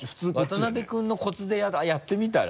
渡辺君のコツでやってみたら？